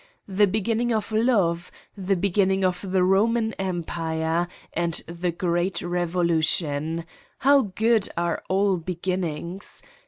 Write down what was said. The beginning of love, the beginning of the Roman Empire and the great revolution how good are all beginnings!